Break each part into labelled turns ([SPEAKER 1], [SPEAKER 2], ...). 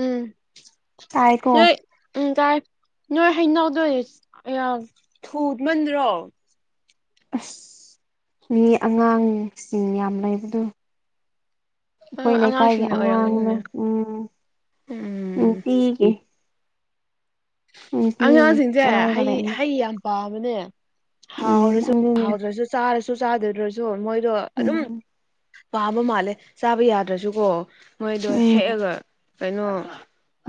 [SPEAKER 1] ꯎꯝ
[SPEAKER 2] ꯆꯥꯏꯀꯣ
[SPEAKER 1] ꯅꯣꯏ ꯎꯝ ꯇꯥꯏ ꯅꯣꯏ ꯍꯩꯅꯧꯗꯣ ꯑꯌꯥ ꯊꯨꯃꯟꯗ꯭ꯔꯣ
[SPEAKER 2] ꯑꯁ ꯃꯤ ꯑꯉꯥꯡꯁꯤꯡ ꯌꯥꯝ ꯂꯩꯕꯗꯨ
[SPEAKER 1] ꯑꯥ
[SPEAKER 2] ꯑꯈꯣꯏ ꯂꯩꯀꯥꯏꯒꯤ
[SPEAKER 1] ꯑꯉꯥꯡꯁꯤꯡꯅ
[SPEAKER 2] ꯑꯉꯥꯡꯅ
[SPEAKER 1] ꯑꯣꯏꯔꯝꯒꯅꯤꯅꯦ
[SPEAKER 2] ꯎꯝ
[SPEAKER 1] ꯎꯝ
[SPEAKER 2] ꯅꯨꯡꯇꯤꯒꯤ ꯅꯨꯡꯇꯤꯒꯤ
[SPEAKER 1] ꯑꯉꯥꯡꯁꯤꯡꯁꯦ
[SPEAKER 2] ꯆꯥꯔꯒ
[SPEAKER 1] ꯍꯩ
[SPEAKER 2] ꯂꯩꯕ
[SPEAKER 1] ꯍꯩ ꯌꯥꯝ ꯄꯥꯝꯕꯅꯦ
[SPEAKER 2] ꯎꯝ
[SPEAKER 1] ꯍꯥꯎꯔꯁꯨ
[SPEAKER 2] ꯑꯗꯨꯅꯦ
[SPEAKER 1] ꯍꯥꯎꯗ꯭ꯔꯁꯨ ꯆꯥꯔꯁꯨ ꯆꯥꯗ꯭ꯔꯁꯨ ꯑꯗꯣ ꯃꯣꯏꯗꯣ ꯑꯗꯨꯝ
[SPEAKER 2] ꯎꯝ
[SPEAKER 1] ꯄꯥꯝꯕ ꯃꯥꯜꯂꯦ ꯆꯥꯕ ꯌꯥꯗ꯭ꯔꯁꯨꯀꯣ ꯃꯣꯏꯗꯣ
[SPEAKER 2] ꯎꯝ
[SPEAKER 1] ꯍꯦꯛꯑꯒ ꯀꯩꯅꯣ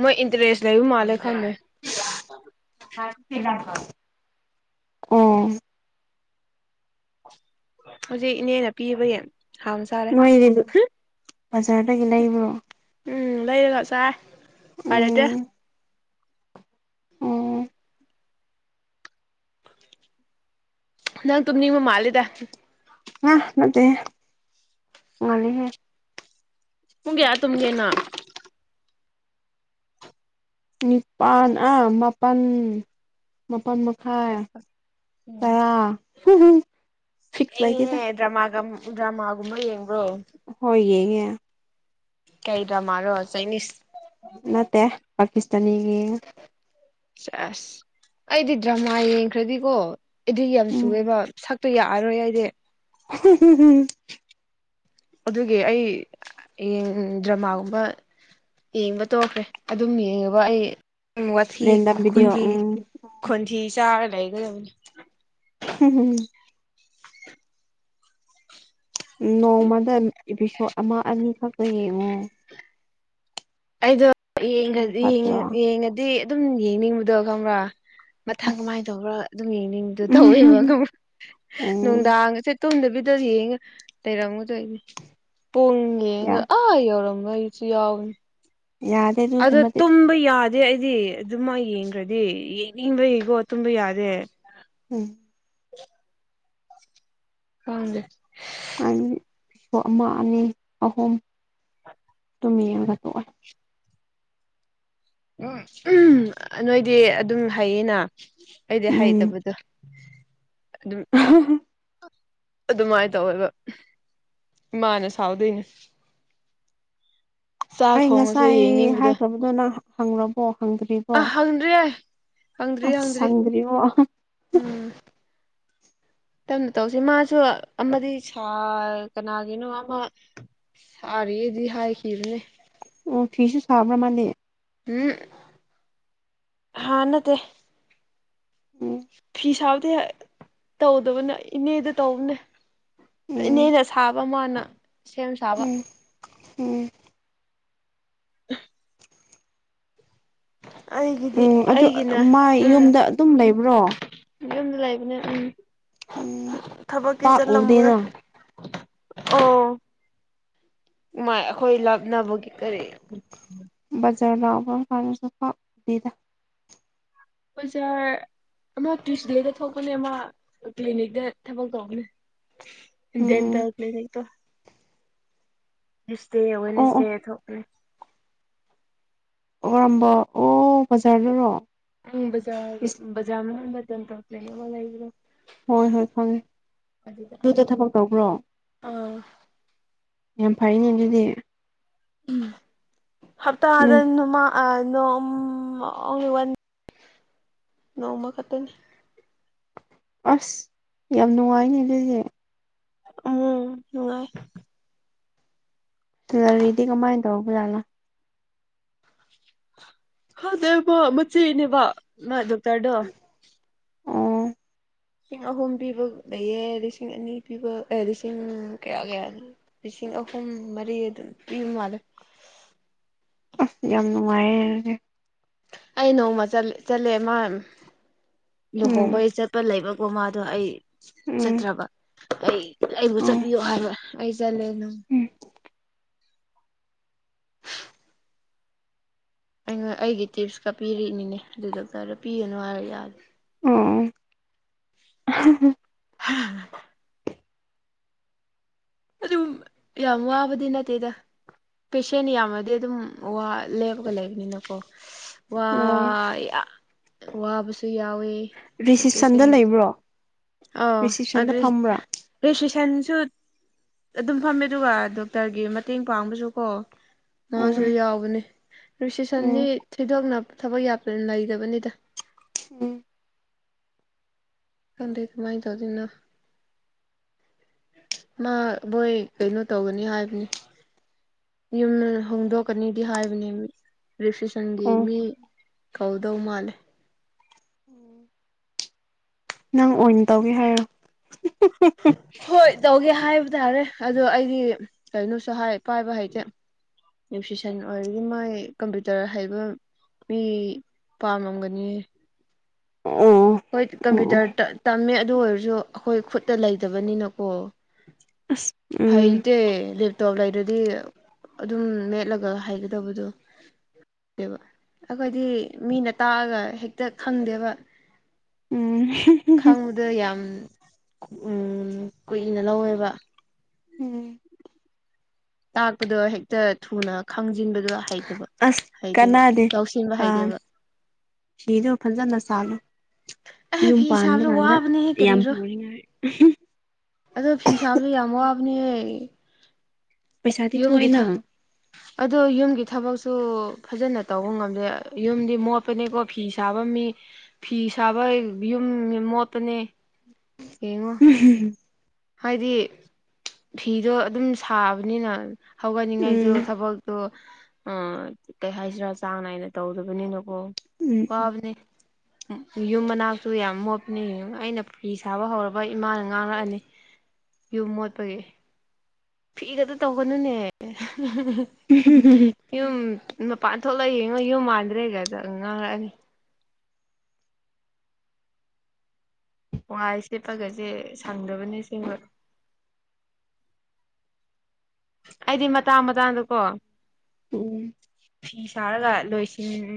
[SPEAKER 1] ꯃꯣꯏ ꯏꯟꯇꯔꯦꯁ ꯂꯩꯕ ꯃꯥꯜꯂꯦ ꯈꯪꯗꯦ ꯑꯥꯝ [unintelligible]
[SPEAKER 2] [inaudible] ꯑꯣ
[SPEAKER 1] ꯍꯧꯖꯤꯛ ꯏꯅꯦꯅ ꯄꯤꯕꯒꯤ ꯍꯥꯎꯅ ꯆꯥꯔꯦ
[SPEAKER 2] ꯅꯣꯏꯗꯤ ꯕꯖꯥꯔꯗꯒꯤ ꯂꯩꯕ꯭ꯔꯣ
[SPEAKER 1] ꯎꯝ ꯂꯩꯔꯒ ꯆꯥꯏ ꯎꯄꯥꯏ ꯂꯩꯇꯦ
[SPEAKER 2] ꯎꯝ ꯎꯝ
[SPEAKER 1] ꯅꯪ ꯇꯨꯝꯅꯤꯡꯕ ꯃꯥꯜꯂꯤꯗ
[SPEAKER 2] ꯑꯝ ꯅꯠꯇꯦ ꯉꯥꯜꯂꯤꯍꯦ
[SPEAKER 1] ꯄꯨꯨꯡ ꯀꯌꯥ ꯇꯨꯝꯒꯦ ꯅꯪ
[SPEAKER 2] ꯅꯤꯄꯥꯜ ꯑꯥ ꯃꯥꯄꯜ ꯃꯥꯄꯜ ꯃꯈꯥꯏ
[SPEAKER 1] ꯎꯝ
[SPEAKER 2] ꯇꯔꯥ ꯐꯤꯛꯁ ꯂꯩꯇꯦꯗ
[SPEAKER 1] ꯊꯦꯡꯉꯤꯍꯦ ꯗ꯭ꯔꯃꯥꯒ ꯗ꯭ꯔꯃꯥꯒꯨꯝꯕ ꯌꯦꯡꯕ꯭ꯔꯣ
[SPEAKER 2] ꯍꯣꯏ ꯌꯦꯡꯉꯦ
[SPEAKER 1] ꯀꯩ ꯗ꯭ꯔꯃꯥꯔꯣ ꯆꯥꯏꯅꯤꯁ
[SPEAKER 2] ꯅꯠꯇꯦ ꯄꯥꯀꯤꯁꯇꯥꯅꯤꯒꯤ ꯌꯦꯡꯉꯤ
[SPEAKER 1] ꯁꯦꯁ ꯑꯩꯗꯤ ꯗ꯭ꯔꯃꯥ ꯌꯦꯡꯈ꯭ꯔꯗꯤꯀꯣ ꯑꯦꯗꯤꯛ ꯌꯥꯝ
[SPEAKER 2] ꯎꯝ
[SPEAKER 1] ꯆꯨꯑꯦꯕ ꯁꯛꯇꯤ ꯌꯥꯔꯔꯣꯏ ꯑꯩꯗꯤ
[SPEAKER 2] ꯍꯨꯝ ꯍꯨꯝ ꯍꯨꯝ [unintelligible]
[SPEAKER 1] ꯑꯗꯨꯒꯤ ꯑꯩ ꯌꯦꯡ ꯗ꯭ꯔꯃꯥꯒꯨꯝꯕ ꯌꯦꯡꯕ ꯇꯣꯛꯈ꯭ꯔꯦ ꯑꯗꯨꯝ ꯌꯦꯡꯉꯦꯕ ꯑꯩ ꯋꯥꯊꯤ
[SPEAKER 2] ꯔꯦꯟꯗꯝ ꯚꯤꯗꯤꯑꯣ
[SPEAKER 1] ꯈꯣꯟꯊꯤ
[SPEAKER 2] ꯎꯝ
[SPEAKER 1] ꯈꯣꯟꯊꯤ ꯆꯥꯔ ꯂꯩꯒꯗꯝꯅꯤ
[SPEAKER 2] ꯍꯨꯝ ꯍꯨꯝ [unintelligible] ꯎꯝ ꯅꯣꯡꯃꯗ ꯏꯄꯤꯁꯣꯠ ꯑꯃ ꯑꯅꯤꯈꯛꯄ ꯌꯦꯡꯉꯣ
[SPEAKER 1] ꯑꯩꯗꯣ
[SPEAKER 2] ꯑꯗꯨꯅ
[SPEAKER 1] ꯌꯦꯡꯒ꯭ꯔꯗꯤ
[SPEAKER 2] ꯐꯠꯇ꯭ꯔꯣ
[SPEAKER 1] ꯌꯦꯡꯉꯗꯤ ꯑꯗꯨꯝ ꯌꯦꯡꯅꯤꯡꯕꯗꯣ ꯈꯪꯕ꯭ꯔꯥ ꯃꯊꯪ ꯀꯃꯥꯏꯅ
[SPEAKER 2] ꯑꯁ
[SPEAKER 1] ꯇꯧꯕ꯭ꯔꯥ ꯑꯗꯨꯝ ꯌꯦꯡꯅꯤꯡꯕꯗꯨ ꯇꯧꯋꯦꯕ ꯈꯪꯕ꯭ꯔꯥ
[SPEAKER 2] ꯎꯝ
[SPEAKER 1] ꯅꯨꯡꯗꯥꯡꯁꯦ ꯇꯨꯝꯗꯕꯤꯗ ꯌꯦꯡꯉ ꯂꯩꯔꯝꯒꯗꯣꯢꯅꯦ ꯄꯨꯡ ꯌꯦꯡꯉꯒ
[SPEAKER 2] ꯌꯥ
[SPEAKER 1] ꯑꯥ ꯌꯧꯔꯝꯕꯩ ꯁꯨ ꯌꯥꯎꯕꯅꯦ
[SPEAKER 2] ꯌꯥꯢ
[SPEAKER 1] ꯑꯗꯣ ꯇꯨꯝꯕ ꯌꯥ ꯗꯦ ꯑꯩꯗꯤ ꯑꯗꯨꯝꯃꯥꯢ ꯌꯦꯡꯈ꯭ꯔꯗꯤ ꯌꯦꯡꯅꯤꯡꯕꯒꯤꯀꯣ ꯇꯨꯝꯕ ꯌꯥꯗꯦ
[SPEAKER 2] ꯎꯝ
[SPEAKER 1] ꯈꯪꯗꯦ
[SPEAKER 2] ꯑꯩ ꯄꯣ ꯑꯃ ꯑꯅꯤ ꯑꯍꯨꯝ ꯇꯨꯝ ꯌꯦꯡꯉꯒ ꯊꯣꯛꯑꯦ
[SPEAKER 1] ꯎꯝ ꯍꯝ ꯑ ꯅꯣꯏꯗꯤ ꯑꯗꯨꯝ ꯍꯩꯌꯦꯅ ꯑꯩꯗꯤ
[SPEAKER 2] ꯎꯝ
[SPEAKER 1] ꯍꯩꯇꯕꯗꯣ ꯑꯗꯨꯝ
[SPEAKER 2] [unintelligible]
[SPEAKER 1] ꯑꯗꯨꯃꯥꯏ ꯇꯧꯋꯦꯕ ꯏꯃꯥꯅ ꯁꯥꯎꯗꯣꯏꯅꯦ ꯆꯥꯛ
[SPEAKER 2] ꯑꯩ
[SPEAKER 1] ꯊꯣꯡꯉꯁꯨ
[SPEAKER 2] ꯉꯁꯥꯏ
[SPEAKER 1] ꯌꯦꯡꯅꯤꯡꯕꯗꯣ
[SPEAKER 2] ꯍꯥꯏꯈ꯭ꯔꯕꯗꯣ ꯅꯪ ꯍꯪꯔꯕꯣ ꯍꯪꯗ꯭ꯔꯤ
[SPEAKER 1] ꯑꯥ ꯍꯪꯗ꯭ꯔꯤ ꯌꯦ ꯍꯪꯗ꯭ꯔꯤ ꯍꯪꯗ꯭ꯔꯤ
[SPEAKER 2] ꯁꯪꯗ꯭ꯔꯤꯕꯣ
[SPEAKER 1] ꯎꯝ ꯇꯞꯅ ꯇꯧꯁꯤ ꯃꯥꯁꯨ ꯑꯃꯗꯤ ꯁꯥ ꯀꯅꯥꯒꯤꯅꯣ ꯑꯃ ꯊꯥꯔꯤꯌꯦꯗꯤ ꯍꯥꯏꯈꯤꯕꯅꯦ
[SPEAKER 2] ꯑꯣ ꯐꯤꯁꯨ ꯁꯥꯕ꯭ꯔꯥ ꯃꯥꯗꯤ
[SPEAKER 1] ꯍꯝ ꯍꯥ ꯅꯠꯇꯦ
[SPEAKER 2] ꯎꯝ
[SPEAKER 1] ꯐꯤ ꯁꯥꯕꯗꯤ ꯇꯧꯗꯕꯅꯦ ꯏꯅꯦꯗꯤ ꯇꯧꯕꯅꯦ
[SPEAKER 2] ꯎꯝ
[SPEAKER 1] ꯏꯅꯦꯅ ꯁꯥꯕ ꯃꯥꯅ ꯁꯦꯝ ꯁꯥꯕ
[SPEAKER 2] ꯎꯝ ꯎꯝ
[SPEAKER 1] [unintelligible] ꯑꯩꯒꯤꯗꯤ
[SPEAKER 2] ꯎꯝ ꯑꯗꯨ ꯑ ꯑ
[SPEAKER 1] ꯑꯩꯒꯤꯅ
[SPEAKER 2] ꯃꯥ
[SPEAKER 1] ꯎꯝ
[SPEAKER 2] ꯌꯨꯝꯗ ꯑꯗꯨꯝ ꯂꯩꯕ꯭ꯔꯣ
[SPEAKER 1] ꯌꯨꯝꯗ ꯂꯩꯕꯅꯦ ꯎꯝ
[SPEAKER 2] ꯎꯝ
[SPEAKER 1] ꯊꯕꯛꯇꯤ
[SPEAKER 2] ꯄꯥꯛ
[SPEAKER 1] ꯆꯠꯂꯝꯒ
[SPEAKER 2] ꯎꯗꯦꯅ
[SPEAKER 1] ꯑꯣ ꯃꯥꯏ ꯑꯈꯣꯏ ꯂꯥꯞꯅꯕꯒꯤ ꯀꯔꯤ
[SPEAKER 2] ꯕꯖꯥꯔ ꯂꯥꯛꯄ ꯀꯥꯟꯗꯁꯨ ꯄꯥꯛ ꯗꯦꯗ
[SPEAKER 1] ꯕꯖꯥꯔ ꯑꯃ ꯇ꯭ꯌꯨꯁꯗꯦꯗ ꯊꯣꯛꯄꯅꯦ ꯃꯥ ꯀ꯭ꯂꯤꯅꯤꯛꯇ ꯊꯕꯛ ꯇꯧꯕꯅꯦ ꯗꯦꯟꯇꯦꯜ
[SPEAKER 2] ꯎꯝ
[SPEAKER 1] ꯀ꯭ꯂꯤꯅꯤꯛꯇꯣ ꯇ꯭ꯌꯨꯁꯗꯦ
[SPEAKER 2] ꯑꯣ ꯑꯣ
[SPEAKER 1] ꯋꯦꯗꯅꯁꯗꯦ ꯊꯣꯛꯄꯅꯦ
[SPEAKER 2] ꯑꯣꯔꯝꯕ ꯑꯣ ꯕꯖꯥꯔꯗꯔꯣ
[SPEAKER 1] ꯎꯝ ꯕꯖꯥꯔꯒꯤ
[SPEAKER 2] ꯏꯁ
[SPEAKER 1] ꯕꯖꯥꯔ ꯃꯅꯨꯡꯗ ꯗꯦꯟꯇꯦꯜ ꯀ꯭ꯂꯤꯅꯤꯛ ꯑꯃ ꯂꯩꯕꯗꯣ
[SPEAKER 2] ꯍꯣꯏ ꯍꯣꯏ ꯈꯪꯉꯦ
[SPEAKER 1] ꯑꯗꯨꯗ
[SPEAKER 2] ꯗꯨꯗ ꯊꯕꯛ ꯇꯧꯕ꯭ꯔꯣ
[SPEAKER 1] ꯑꯥ
[SPEAKER 2] ꯌꯥꯝ ꯐꯩꯅꯦ ꯑꯗꯨꯗꯤ
[SPEAKER 1] ꯎꯝ ꯍꯞꯇꯥꯗ
[SPEAKER 2] ꯅꯪ
[SPEAKER 1] ꯅꯣꯃꯥ ꯑꯥ ꯅꯣꯝ ꯑꯣꯡꯂꯤ ꯋꯥꯟ ꯅꯣꯡꯃ ꯈꯠꯇꯅꯦ
[SPEAKER 2] ꯑꯁ ꯌꯥꯝ ꯅꯨꯡꯉꯥꯏꯅꯦ ꯑꯗꯨꯗꯤ
[SPEAKER 1] ꯎꯝ ꯅꯨꯡꯉꯥꯏ
[SPEAKER 2] ꯁꯦꯂꯔꯤꯗꯤ ꯀꯃꯥꯏꯟ ꯇꯧꯕ ꯖꯥꯂꯥ
[SPEAKER 1] ꯈꯪꯗꯦ ꯃꯥ ꯃꯆꯦꯅꯦꯕ ꯃꯥ ꯗꯣꯛꯇꯔꯗꯣ
[SPEAKER 2] ꯑꯣ
[SPEAKER 1] ꯂꯤꯁꯤꯡ ꯑꯍꯨꯝ ꯄꯤꯕ ꯂꯩꯌꯦ ꯂꯤꯁꯤꯡ ꯑꯅꯤ ꯄꯤꯕ ꯂꯤꯁꯤꯡ ꯀꯌꯥ ꯀꯌꯥꯅꯣ ꯂꯤꯁꯤꯡ ꯑꯍꯨꯝ ꯃꯔꯤ ꯑꯗꯨꯝ ꯄꯤꯕ ꯃꯥꯜꯂꯦ
[SPEAKER 2] ꯑꯣ ꯌꯥꯝ ꯅꯨꯡꯉꯥꯏꯌꯦ ꯑꯗꯨꯗꯤ
[SPEAKER 1] ꯑꯩ ꯅꯣꯡꯃ ꯆꯠ ꯆꯠꯂꯦ ꯃꯥ
[SPEAKER 2] ꯎꯝ
[SPEAKER 1] ꯂꯨꯍꯣꯡꯕꯩ ꯆꯠ ꯄ ꯂꯩꯕꯀꯣ ꯃꯥꯗꯣ ꯑꯩ
[SPEAKER 2] ꯎꯝ
[SPEAKER 1] ꯆꯠꯇ꯭ꯔꯕ ꯑꯩ ꯑꯩꯕꯨ
[SPEAKER 2] ꯎꯝ
[SPEAKER 1] ꯆꯠꯄꯤꯌꯣ ꯍꯥꯏꯕ ꯑꯩ ꯆꯠꯂꯦ ꯑꯗꯨꯝ
[SPEAKER 2] ꯎꯝ
[SPEAKER 1] ꯑꯩꯉ ꯑꯩꯒꯤ ꯇꯤꯞꯁꯀ ꯄꯤꯔꯛꯏꯅꯤꯅꯦ ꯑꯗꯨ ꯗꯣꯛꯇꯔꯗ ꯄꯤꯒꯅꯨ ꯍꯥꯏꯔ ꯌꯥꯗꯦ
[SPEAKER 2] ꯑꯣ
[SPEAKER 1] ꯍꯥ ꯑꯗꯨꯝ ꯌꯥꯝ ꯋꯥꯕꯗꯤ ꯅꯠꯇꯦꯗ ꯄꯦꯁꯦꯟ ꯌꯥꯝꯃꯗꯤ ꯑꯗꯨꯝ ꯋꯥ ꯂꯦꯞꯄꯒ ꯂꯩꯕꯅꯤꯅꯀꯣ ꯋꯥ
[SPEAKER 2] ꯑꯣ
[SPEAKER 1] ꯌꯥ ꯋꯥꯕꯁꯨ ꯌꯥꯎꯋꯤ
[SPEAKER 2] ꯔꯤꯁꯤꯞꯁꯟꯗ ꯂꯩꯕ꯭ꯔꯣ
[SPEAKER 1] ꯑꯥ
[SPEAKER 2] ꯔꯤꯁꯤꯞꯁꯟꯗ
[SPEAKER 1] ꯑꯗꯨꯢꯁ
[SPEAKER 2] ꯐꯝꯕ꯭ꯔꯥ
[SPEAKER 1] ꯔꯤꯁꯤꯞꯁꯟꯗꯁꯨ ꯑꯗꯨꯝ ꯐꯝꯃꯦ ꯑꯗꯨꯒ ꯗꯣꯛꯇꯔꯒꯤ ꯃꯇꯦꯡ ꯄꯥꯡꯕꯁꯨꯀꯣ ꯃꯥꯖꯨ
[SPEAKER 2] ꯎꯝ
[SPEAKER 1] ꯌꯥꯎꯕꯅꯦ ꯔꯤꯁꯤꯞꯁꯟꯗꯤ
[SPEAKER 2] ꯎꯝ
[SPEAKER 1] ꯊꯣꯢꯗꯣꯛꯅ ꯊꯕꯛ ꯌꯥꯝꯅ ꯂꯩꯗꯕꯅꯤꯗ
[SPEAKER 2] ꯎꯝ
[SPEAKER 1] ꯈꯪꯗꯦ ꯀꯃꯥꯏꯟ ꯇꯧꯗꯨꯢꯅꯣ ꯃꯥ ꯕꯣꯏ ꯀꯩꯅꯣ ꯇꯧꯒꯅꯤ ꯍꯥꯏꯕꯅꯦ ꯌꯨꯝ ꯍꯣꯡꯗꯣꯛꯀꯅꯤꯗꯤ ꯍꯥꯏꯕꯅꯦ ꯃꯤ ꯔꯤꯁꯤꯞꯁꯟꯒꯤ
[SPEAKER 2] ꯑꯣ
[SPEAKER 1] ꯃꯤ ꯀꯧꯗꯧ ꯃꯥꯜꯂꯦ
[SPEAKER 2] ꯅꯪ ꯑꯣꯏꯅ ꯇꯧꯒꯦ ꯍꯥꯏꯔꯣ [unintelligible]
[SPEAKER 1] ꯍꯣꯏ ꯇꯧꯒꯦ ꯍꯥꯏꯕ ꯇꯥꯔꯦ ꯑꯗꯣ ꯑꯩꯗꯤ ꯀꯩꯅꯣꯁꯨ ꯍꯥꯢ ꯄꯥꯏꯕ ꯍꯩꯇꯦ ꯔꯦꯞꯁꯤꯁꯟ ꯑꯣꯏꯔꯗꯤ ꯃꯣꯢ ꯀꯝꯄ꯭ꯌꯨꯇꯔ ꯍꯩꯕ ꯃꯤ ꯄꯥꯝꯃꯝꯒꯅꯤ
[SPEAKER 2] ꯑꯨ
[SPEAKER 1] ꯍꯣꯏ ꯀꯝꯄ꯭ꯌꯨꯇꯔ ꯇꯥ ꯇꯝꯃꯦ ꯑꯗꯨ ꯑꯣꯏꯔꯁꯨ ꯑꯩꯈꯣꯏ ꯈꯨꯠꯇ ꯂꯩꯇꯕꯅꯤꯅꯀꯣ
[SPEAKER 2] ꯑꯁ ꯎꯝ
[SPEAKER 1] ꯍꯩꯇꯦ ꯇꯣꯞ ꯂꯩꯔꯥꯗꯤ ꯑꯗꯨꯝ ꯃꯦꯠꯂꯒ ꯍꯩꯒꯗꯕꯗꯣ ꯑꯈꯣꯏꯗꯤ ꯃꯤꯅ ꯇꯥꯛꯑꯒ ꯍꯦꯛꯇ ꯈꯪꯗꯦꯕ
[SPEAKER 2] ꯎꯝ
[SPEAKER 1] ꯈꯪꯕꯗꯣ ꯌꯥꯝ ꯎꯝ ꯀꯨꯏꯅ ꯂꯧꯋꯦꯕ
[SPEAKER 2] ꯎꯝ
[SPEAKER 1] ꯇꯥꯛꯄꯗꯣ ꯍꯦꯛꯇ ꯊꯨꯅ ꯈꯪꯖꯤꯟꯕꯗꯣ ꯍꯩꯇꯕ
[SPEAKER 2] ꯑꯁ
[SPEAKER 1] ꯍꯩꯇꯦꯕ
[SPEAKER 2] ꯀꯥꯟꯅꯗꯦ
[SPEAKER 1] ꯂꯧꯁꯤꯟꯕ
[SPEAKER 2] ꯑꯥ
[SPEAKER 1] ꯍꯩꯇꯦꯕ
[SPEAKER 2] ꯐꯤꯗꯣ ꯐꯖꯟꯅ ꯁꯥꯂꯣ
[SPEAKER 1] ꯑꯦ
[SPEAKER 2] ꯌꯨꯝ
[SPEAKER 1] ꯐꯤ
[SPEAKER 2] ꯄꯥꯟꯕ
[SPEAKER 1] ꯁꯥꯕꯁꯨ
[SPEAKER 2] ꯀꯥꯟꯗ
[SPEAKER 1] ꯋꯥꯕꯅꯦꯍꯦ
[SPEAKER 2] ꯌꯥꯝ ꯄꯨꯔꯤꯉꯥꯏ
[SPEAKER 1] ꯑꯗꯨ ꯐꯤ ꯁꯥꯕꯖꯨ ꯌꯥꯝ ꯋꯥꯕꯅꯤꯍꯦ
[SPEAKER 2] ꯄꯩꯁꯥꯗꯤ
[SPEAKER 1] ꯌꯨꯝꯒꯤ
[SPEAKER 2] ꯊꯣꯛꯑꯦꯅ
[SPEAKER 1] ꯊ ꯑꯗꯣ ꯌꯨꯝꯒꯤ ꯊꯕꯛꯁꯨ ꯐꯖꯟꯅ ꯇꯧꯕ ꯉꯝꯗꯦ ꯌꯨꯝꯗꯤ ꯃꯣꯠꯄꯅꯦꯀꯣ ꯐꯤ ꯁꯥꯕ ꯃꯤ ꯐꯤ ꯁꯥꯕ ꯌꯨꯝ ꯃꯣꯠꯄꯅꯦ ꯌꯦꯡꯉꯣ
[SPEAKER 2] [unintelligible]
[SPEAKER 1] ꯍꯥꯏꯗꯤ ꯐꯤꯗꯣ ꯑꯗꯨꯝ ꯁꯥꯕꯅꯤꯅ ꯍꯧꯒꯠꯅꯤꯡꯉꯥꯏꯖꯨ
[SPEAKER 2] ꯎꯝ
[SPEAKER 1] ꯊꯕꯛ ꯗꯣ ꯑꯥ ꯀꯩꯍꯥꯏꯁꯤꯔꯥ ꯆꯥꯡ ꯅꯥꯏꯅ ꯇꯧꯗꯕꯅꯤꯅ ꯑꯣ ꯋꯥꯕꯅꯦ ꯌꯨꯝ ꯃꯅꯥꯛꯁꯨ ꯌꯥꯝ ꯃꯣꯠꯄꯅꯦ ꯌꯦꯡ ꯑꯩꯅ ꯐꯤ ꯁꯥꯕ ꯍꯧꯔꯕ ꯏꯃꯥꯅ ꯉꯥꯡꯔꯛꯑꯅꯤ ꯌꯨꯝ ꯃꯣꯠꯄꯒꯤ ꯐꯤꯗꯇ ꯇꯧꯒꯅꯨꯅꯦ
[SPEAKER 2] [unintelligible]
[SPEAKER 1] ꯌꯨꯝ ꯃꯄꯥꯟ ꯊꯣꯛꯂꯛ ꯌꯦꯡꯉꯣ ꯌꯨꯝ ꯃꯥꯟꯗ꯭ꯔꯦꯒꯗ ꯉꯥꯡꯔꯛꯑꯅꯤ ꯋꯥꯢ ꯁꯤꯠꯄꯒꯖꯦ ꯁꯪꯗꯕꯅꯦ ꯁꯦꯡꯕ ꯑꯩꯗꯤ ꯃꯇꯥꯡ ꯃꯇꯥꯡꯗꯀꯣ
[SPEAKER 2] ꯎꯝ
[SPEAKER 1] ꯐꯤ ꯁꯥꯔꯒ ꯂꯣꯏꯁꯤꯟ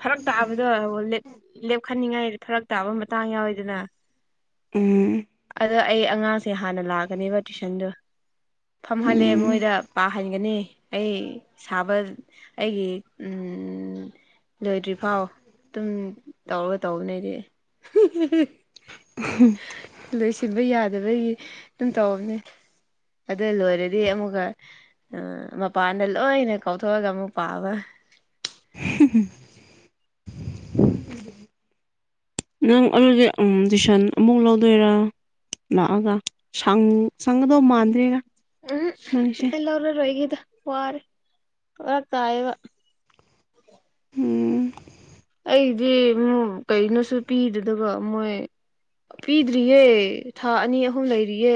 [SPEAKER 1] ꯐꯔꯛ ꯇꯥꯕꯗꯣ ꯂꯦꯞ ꯂꯦꯞꯈꯠꯅꯤꯡꯉꯥꯏ ꯐꯔꯛ ꯇꯥꯕ ꯃꯇꯥꯡ ꯌꯥꯎꯋꯤꯗꯅ
[SPEAKER 2] ꯎꯝ
[SPEAKER 1] ꯑꯗꯣ ꯑꯩ ꯑꯉꯥꯡꯁꯦ ꯍꯥꯟꯅ ꯂꯥꯛꯒꯅꯤꯕ ꯇꯨꯏꯁꯟꯗꯣ ꯇꯝꯍꯜꯂꯦ
[SPEAKER 2] ꯎꯝ
[SPEAKER 1] ꯃꯣꯏꯗ ꯄꯥꯍꯟꯒꯅꯤ ꯑꯩ ꯁꯥꯕ ꯑꯩꯒꯤ ꯎꯝ ꯂꯣꯏꯗ꯭ꯔꯤ ꯐꯥꯎ ꯗꯨꯝ ꯇꯧꯔ ꯇꯧꯕꯅꯦ ꯑꯩꯗꯤ
[SPEAKER 2] [unintelligible]
[SPEAKER 1] ꯂꯣꯏꯁꯤꯟꯕ ꯌꯥꯗꯕꯒꯤ ꯑꯗꯨꯝ ꯇꯥꯎꯕꯅꯦ ꯑꯗ ꯂꯣꯏꯔ ꯗꯤ ꯑꯃꯨꯛꯀ ꯑꯥ ꯃꯄꯥꯟꯗ ꯂꯣꯏꯅ ꯀꯥꯎꯊꯣꯛꯑꯒ ꯑꯃꯨꯛ ꯄꯥꯕ
[SPEAKER 2] ꯅꯪ ꯑꯗꯨꯗꯤ ꯑꯝ ꯇꯨꯏꯁꯟ ꯑꯃꯨꯛ ꯂꯧꯗꯣꯏꯔꯥ ꯂꯥꯛꯑꯒ ꯁꯪ ꯁꯪꯒꯗꯧ ꯃꯥꯟꯗ꯭ꯔꯦꯔ
[SPEAKER 1] ꯎꯝꯍꯝ ꯑꯩ ꯂꯣꯔꯔꯣꯏꯒꯦꯗ ꯋꯥꯔꯦ [unintelligible] ꯇꯥꯏꯌꯦꯕ
[SPEAKER 2] ꯎꯝ
[SPEAKER 1] ꯑꯩꯗꯤ ꯃꯨꯝ ꯀꯩꯅꯣꯁꯨ ꯄꯤꯗꯗꯕ ꯃꯣꯏ ꯄꯤꯗ꯭ꯔꯤꯌꯦ ꯊꯥ ꯑꯅꯤ ꯑꯍꯨꯝ ꯂꯩꯔꯤꯌꯦ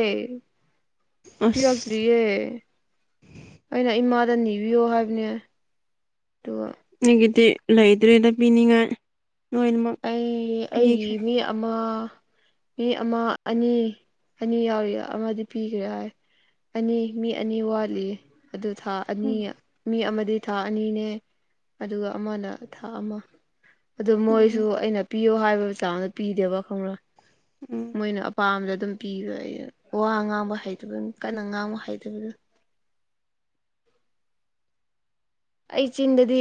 [SPEAKER 2] ꯑꯁ
[SPEAKER 1] ꯄꯤꯔꯛꯇ꯭ꯔꯤ ꯌꯦ ꯑꯩꯅ ꯏꯃꯥꯗ ꯅꯤꯕꯤꯌꯣ ꯍꯥꯏꯕꯅꯦ ꯗꯨꯒ
[SPEAKER 2] ꯃꯤꯒꯤꯗꯤ ꯂꯩꯗ꯭ꯔꯦꯗ ꯄꯤꯅꯤꯡꯉꯥꯏ ꯂꯣꯏꯅꯃꯛ
[SPEAKER 1] ꯑꯩ ꯑꯩꯒꯤ
[SPEAKER 2] ꯄꯤꯈ꯭ꯔꯦ
[SPEAKER 1] ꯃꯤ ꯑꯃ ꯃꯤ ꯑꯃ ꯑꯅꯤ ꯑꯅꯤ ꯌꯥꯎꯔꯤ ꯑꯃꯗꯤ ꯄꯤꯈ꯭ꯔꯦ ꯍꯥꯏ ꯑꯅꯤ ꯃꯤ ꯑꯅꯤ ꯋꯥꯠꯂꯤ ꯑꯗꯨ ꯊꯥ ꯑꯅꯤ
[SPEAKER 2] ꯎꯝ
[SPEAKER 1] ꯃꯤ ꯑꯃꯗꯤ ꯊꯥ ꯑꯅꯤꯅꯦ ꯑꯗꯨꯒ ꯑꯃꯅ ꯊꯥ ꯑꯃ ꯑꯗꯨ ꯃꯣꯏ
[SPEAKER 2] ꯎꯝ
[SPEAKER 1] ꯑꯩꯅ ꯄꯤꯌꯣ ꯍꯥꯏꯕ ꯆꯥꯡꯗ ꯄꯤꯗꯦꯕ ꯈꯪꯕ꯭ꯔꯥ
[SPEAKER 2] ꯎꯝ
[SPEAKER 1] ꯃꯣꯏꯅ ꯑꯄꯥꯝꯕꯗ ꯑꯗꯨꯝ ꯄꯤꯕ ꯑꯩ ꯋꯥ ꯉꯥꯡꯕ ꯍꯩꯇꯕ ꯀꯟꯅ ꯉꯥꯡꯕ ꯍꯩꯇꯕꯗꯨ ꯑꯩ ꯆꯤꯟꯗꯗꯤ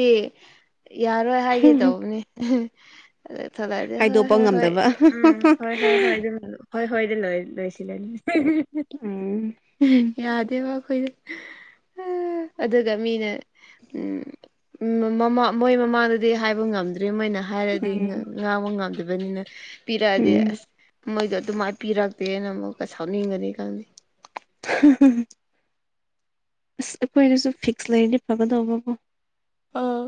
[SPEAKER 1] ꯌꯥꯔꯣꯏ ꯍꯥꯏꯒꯦ ꯇꯧꯕꯅꯤ [unintelligible] ꯍꯣꯏ
[SPEAKER 2] ꯍꯥꯏꯗꯣꯛꯄ
[SPEAKER 1] ꯍꯣꯏ ꯍꯣꯏ
[SPEAKER 2] ꯉꯝꯗꯕ
[SPEAKER 1] ꯎꯝ ꯍꯣꯏ ꯍꯣꯏ ꯍꯣꯏ [unintelligible] ꯍꯣꯏ ꯍꯣꯏꯗ ꯂꯣꯏ ꯂꯣꯏꯁꯤꯜꯂꯅꯤ
[SPEAKER 2] ꯎꯝ
[SPEAKER 1] ꯌꯥꯗꯦꯕ ꯑꯈꯣꯏꯗꯨ ꯑꯥ ꯑꯗꯨꯒ ꯃꯤꯅ ꯎꯝ ꯎꯝ ꯃꯃꯥ ꯃꯣꯏ ꯃꯃꯥꯡꯗꯗꯤ ꯍꯥꯏꯕ ꯉꯝꯗ꯭ꯔꯤ ꯃꯣꯏꯅ ꯍꯥꯏꯔꯗꯤ ꯉꯥ
[SPEAKER 2] ꯎꯝ
[SPEAKER 1] ꯉꯥ ꯉꯥꯡꯕ ꯉꯝꯗꯕꯅꯤꯅ ꯄꯤꯔꯛꯑꯗꯤ
[SPEAKER 2] ꯎꯝ
[SPEAKER 1] ꯑꯁ ꯃꯣꯏꯗꯣ ꯑꯗꯨꯃꯥꯏ ꯄꯤꯔꯛꯇꯦꯅ ꯑꯃꯨꯛꯀꯥ ꯁꯥꯎꯅꯤꯡꯒꯅꯤ ꯈꯪꯉꯦ
[SPEAKER 2] [unintelligible] ꯑꯁ ꯑꯩꯈꯣꯏꯗꯁꯨ ꯐꯤꯛꯁ ꯂꯩꯔꯗꯤ ꯐꯒꯥꯗꯧꯕꯀꯣ
[SPEAKER 1] ꯑꯥ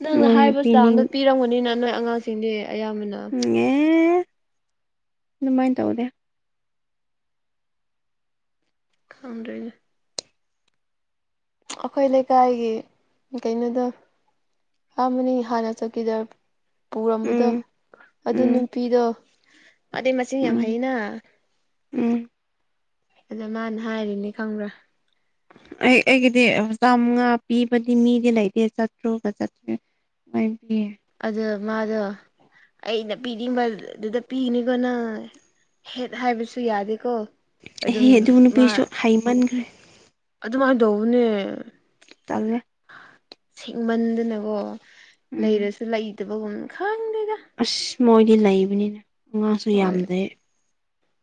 [SPEAKER 1] ꯅꯪꯅ
[SPEAKER 2] ꯃꯣꯏꯅ
[SPEAKER 1] ꯍꯥꯏꯕ ꯆꯥꯡꯗ
[SPEAKER 2] ꯄꯤꯅꯤꯡ
[SPEAKER 1] ꯄꯤꯔꯝꯒꯅꯤꯅ ꯅꯣꯏ ꯑꯉꯥꯡꯁꯤꯡꯗꯤ ꯑꯌꯥꯝꯕꯅ
[SPEAKER 2] ꯉꯦ ꯗꯨꯃꯥꯏꯟ ꯇꯧꯗꯦ
[SPEAKER 1] ꯈꯪꯗ꯭ꯔꯦꯅꯦ ꯑꯈꯣꯏ ꯂꯩꯀꯥꯏꯒꯤ ꯀꯩꯅꯣꯗꯣ ꯑꯥ ꯃꯅꯤ ꯍꯥꯟꯅ ꯆꯧꯀꯤꯗꯞ ꯄꯨꯔꯝꯕꯗꯣ
[SPEAKER 2] ꯎꯝ
[SPEAKER 1] ꯑꯗꯨ
[SPEAKER 2] ꯎꯝ
[SPEAKER 1] ꯅꯨꯄꯤꯗꯣ ꯃꯥꯗꯤ ꯃꯆꯤꯟ ꯌꯥꯝ
[SPEAKER 2] ꯎꯝ
[SPEAKER 1] ꯍꯩꯅ
[SPEAKER 2] ꯎꯝ
[SPEAKER 1] ꯑꯗ ꯃꯥꯅ ꯍꯥꯏꯔꯤꯅꯦ ꯈꯪꯕ꯭ꯔꯥ
[SPEAKER 2] ꯑꯩ ꯑꯩꯒꯤꯗꯤ ꯑꯥ ꯆꯥꯝꯃꯉꯥ ꯄꯤꯕꯗꯤ ꯃꯤꯗꯤ ꯂꯩꯇꯦ ꯆꯥꯇ꯭ꯔꯨꯀꯥ ꯆꯥꯇ꯭ꯔꯦꯠ [unintelligible] ꯄꯤ
[SPEAKER 1] ꯑꯗꯣ ꯃꯥꯗꯣ ꯑꯩꯅ ꯄꯤꯅꯤꯡꯕ ꯗꯨꯗ ꯄꯤꯅꯤꯀꯣ ꯅꯪ ꯍꯦꯠ ꯍꯥꯏꯕꯁꯨ ꯌꯥꯗꯦꯀꯣ ꯑꯗꯨꯝ
[SPEAKER 2] ꯑꯦꯍꯦ ꯑꯗꯨ ꯅꯨꯄꯤꯁꯨ ꯍꯩꯃꯟꯈ꯭ꯔꯦ
[SPEAKER 1] ꯑꯗꯨꯃꯥꯏꯟ ꯇꯧꯕꯅꯦ
[SPEAKER 2] ꯇꯜꯂꯦ
[SPEAKER 1] ꯁꯤꯡꯃꯟꯗꯅꯒꯣ
[SPEAKER 2] ꯎꯝ
[SPEAKER 1] ꯂꯩꯔꯁꯨ ꯂꯩꯇꯕꯒꯨꯝ ꯈꯪꯗꯦꯗ
[SPEAKER 2] ꯑꯁ ꯃꯣꯏꯗꯤ ꯂꯩꯕꯅꯤꯅ ꯉꯥꯁꯨ ꯌꯥꯝ ꯂꯦ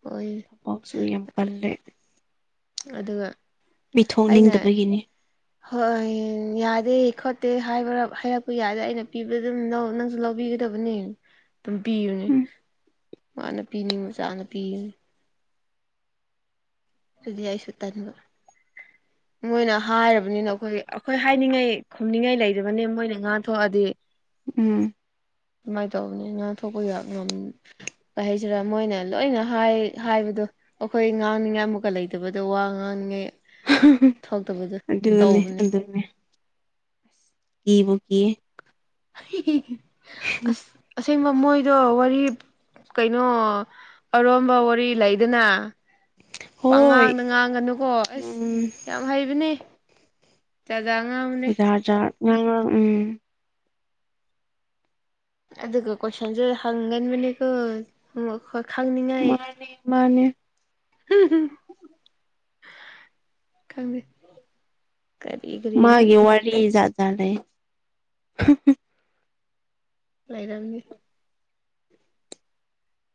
[SPEAKER 1] ꯍꯣꯢꯃꯦ
[SPEAKER 2] ꯄꯥꯎꯁꯨ ꯌꯥꯝ ꯀꯜꯂꯦ
[SPEAKER 1] ꯑꯗꯨꯒ
[SPEAKER 2] ꯃꯤ
[SPEAKER 1] ꯑꯩꯅ
[SPEAKER 2] ꯊꯣꯛꯅꯤꯡꯗꯕꯒꯤꯅꯤ
[SPEAKER 1] ꯍꯣꯏ ꯌꯥꯗꯦ ꯈꯣꯠꯇꯦ ꯍꯥꯏꯕꯔꯞ ꯍꯥꯏꯔꯛꯄ ꯌꯥꯏꯗ ꯑꯩꯅ ꯄꯤꯕ ꯗꯨꯝ ꯂꯧ ꯅꯪꯁꯨ ꯂꯧꯕꯤꯒ ꯗꯕꯅꯦ ꯑꯗꯨꯝ ꯄꯤꯕꯅꯦ
[SPEAKER 2] ꯎꯝ
[SPEAKER 1] ꯃꯥꯅ ꯄꯤꯅꯤꯡꯕ ꯆꯥꯡꯗ ꯄꯤꯒꯅꯤ ꯗꯨꯗꯤ ꯑꯩꯁꯨ ꯇꯟꯕ ꯃꯣꯏꯅ ꯍꯥꯏꯔꯕꯅꯤꯅ ꯑꯩꯈꯣꯏ ꯑꯩꯈꯣꯏ ꯍꯥꯏꯅꯤꯡꯉꯩ ꯈꯨꯝꯅꯤꯡꯉꯩ ꯂꯩꯗꯕꯅꯦ ꯃꯣꯏꯅ ꯉꯥꯊꯣꯛꯑꯗꯤ
[SPEAKER 2] ꯎꯝ
[SPEAKER 1] ꯏꯃꯥꯏ ꯇꯧꯕꯅꯦ ꯉꯥꯡꯊꯣꯛꯄ ꯌꯥ ꯉꯝ ꯀꯩ ꯍꯥꯏꯁꯤꯔꯥ ꯃꯣꯏꯅ ꯂꯣꯏꯅ ꯍꯥꯏ ꯍꯥꯏꯕꯗꯣ ꯑꯈꯣꯏ ꯉꯥꯡꯅꯤꯡꯉꯥꯏ ꯑꯃꯨꯛꯀꯥ ꯂꯩꯇꯕꯗꯣ ꯋꯥ ꯉꯥꯡꯅꯤꯡꯉꯥꯏ ꯊꯣꯛꯇꯕꯗꯣ
[SPEAKER 2] ꯑꯗꯨꯅꯦ
[SPEAKER 1] ꯇꯧꯕꯅꯦ
[SPEAKER 2] ꯑꯗꯨꯅꯦ ꯀꯤꯕꯨ ꯀꯤꯌꯦ꯫
[SPEAKER 1] [unintelligible] ꯑꯁ ꯑꯁ ꯑꯁꯦꯡꯕ ꯃꯣꯏꯗꯣ ꯋꯥꯔꯤ ꯀꯩꯅꯣ ꯑꯔꯣꯟꯕ ꯋꯥꯔꯤ ꯂꯩꯗꯅ
[SPEAKER 2] ꯍꯣꯏ
[SPEAKER 1] ꯄꯪꯉꯥꯡꯗ ꯉꯥꯡꯒꯅꯨꯀꯣ ꯑꯁ
[SPEAKER 2] ꯎꯝ
[SPEAKER 1] ꯌꯥꯝ ꯍꯩꯕꯅꯦ꯫ ꯆꯥ ꯖꯥ ꯉꯥꯡ
[SPEAKER 2] ꯖꯥꯠꯖꯥꯠ ꯉꯥꯡꯔ ꯎꯝ
[SPEAKER 1] ꯑꯗꯨꯒ ꯀꯣꯏꯁꯟꯁꯨ ꯍꯪꯒꯟꯕꯅꯦꯀꯣ ꯎꯝ ꯑꯈꯣꯏ
[SPEAKER 2] ꯃꯥꯅꯦ ꯃꯥꯅꯦ
[SPEAKER 1] [unintelligible] ꯈꯪꯗꯦ ꯀꯔꯤ ꯀꯔꯤꯅ
[SPEAKER 2] ꯃꯥꯒꯤ ꯋꯥꯔꯤ ꯖꯥꯖꯥꯠ ꯂꯩꯌꯦ꯫
[SPEAKER 1] ꯂꯩꯔꯝꯅꯤ꯫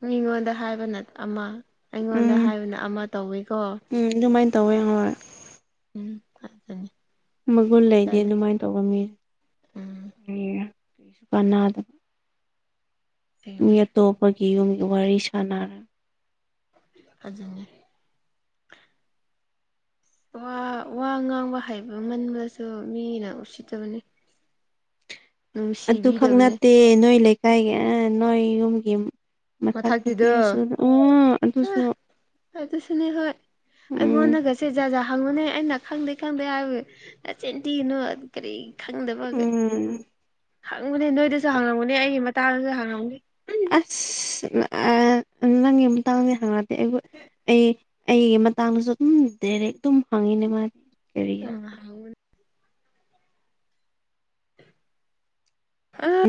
[SPEAKER 1] ꯃꯤꯉꯣꯟꯗ ꯍꯥꯏꯕꯅ ꯑꯃꯥ ꯑꯩꯉꯣꯟꯗ
[SPEAKER 2] ꯎꯝ
[SPEAKER 1] ꯍꯥꯏꯕꯅ ꯑꯃꯥ ꯇꯧꯋꯤꯀꯣ꯫
[SPEAKER 2] ꯎꯝ ꯑꯗꯨꯃꯥꯏꯟ ꯇꯧꯋꯦ ꯍꯣꯏ꯫
[SPEAKER 1] ꯎꯝ ꯑꯗꯨꯅꯤ
[SPEAKER 2] ꯃꯒꯨꯟ ꯂꯩꯇꯦ
[SPEAKER 1] ꯆꯠꯂꯦ
[SPEAKER 2] ꯑꯗꯨꯃꯥꯏꯟ ꯇꯧꯕ ꯃꯤ
[SPEAKER 1] ꯎꯝ
[SPEAKER 2] ꯀꯔꯤꯔ ꯀꯥꯟꯅꯗ ꯃꯤ
[SPEAKER 1] ꯑꯁꯦꯡꯕ
[SPEAKER 2] ꯑꯇꯣꯞꯄꯒꯤ ꯌꯨꯝꯒꯤ ꯋꯥꯔꯤ ꯁꯥꯟꯅꯔ
[SPEAKER 1] ꯑꯗꯨꯅꯦ ꯋꯥ ꯋꯥ ꯉꯥꯡꯕ ꯍꯥꯏꯕ ꯃꯟꯕꯁꯨ ꯃꯤꯅ ꯎꯠꯁꯤꯇꯕꯅꯦ꯫
[SPEAKER 2] ꯑꯗꯨ ꯈꯛ ꯅꯠꯇꯦ ꯅꯣꯏ ꯂꯩꯀꯥꯏꯒꯤ ꯑꯥ ꯅꯣꯏ ꯌꯨꯝꯒꯤ ꯃꯊꯛꯇ
[SPEAKER 1] ꯃꯊꯛꯀꯤꯗꯣ
[SPEAKER 2] ꯄꯤꯔꯁꯨ ꯑꯣ ꯑꯗꯨꯁꯨ
[SPEAKER 1] ꯑꯥ ꯑꯗꯨꯁꯨꯅꯦ ꯍꯣꯏ
[SPEAKER 2] ꯎꯝ
[SPEAKER 1] ꯑꯩꯉꯣꯟꯗꯒꯁꯦ ꯁꯦ ꯖꯥ ꯖꯥ ꯍꯪꯉꯨꯅꯦ ꯑꯩꯅ ꯈꯪꯗꯦ ꯈꯪꯗꯦ ꯍꯥꯏꯕꯒꯤ ꯅꯆꯤꯟ ꯇꯤꯒꯅꯨ ꯀꯔꯤ ꯈꯪꯗꯕꯒꯩ
[SPEAKER 2] ꯎꯝ
[SPEAKER 1] ꯍꯪꯕꯅꯦ ꯅꯣꯏꯗꯁꯨ ꯍꯪꯉꯝꯒꯅꯦ ꯑꯩꯒꯤ ꯃꯇꯥꯡꯗꯁꯨ ꯍꯪꯉꯝꯅꯤ ꯎꯝ
[SPEAKER 2] ꯁꯤꯁ ꯎꯝ ꯑꯥ ꯅꯪꯒꯤ ꯃꯇꯥꯡꯗꯤ ꯍꯪꯔꯛꯇꯦ ꯑꯩꯒꯨ ꯑꯩ ꯑꯩꯒꯤ ꯃꯇꯥꯡꯗꯁꯨ ꯑꯗꯨꯝ ꯗꯦꯔꯦꯛ ꯇꯨꯝ ꯍꯪꯉꯤꯅꯦ ꯃꯥ
[SPEAKER 1] [unintelligible] ꯑꯥ